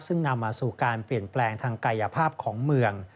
ซึ่งนำมาสู่การเปลี่ยนแปลงทางกายภาพของเมือง